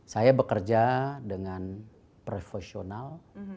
saya bekerja dengan profesional